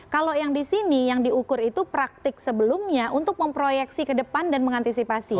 kalau yang di sini yang diukur itu praktik sebelumnya untuk memproyeksi ke depan dan mengantisipasi